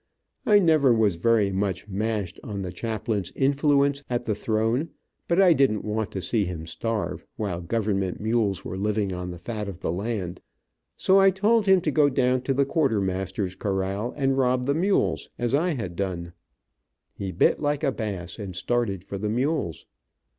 I never was very much, mashed on the chaplain's influence at the throne, but I didn't want to see him starve, while government mules were living on the fat of the land, so I told him to go down to the quartermaster's corral and rob the mules as I had done. He bit like a bass, and started for the mules.